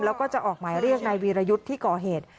แล้วก็จะออกหมายเรียกนายวีรยุทธ์ที่ก่อเหตุ